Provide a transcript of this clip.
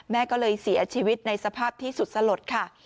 แม่ก็เลยเสียชีวิตในสภาพที่สุดสลดค่ะ